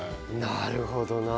なるほどな。